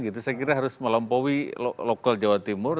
saya kira harus melampaui lokal jawa timur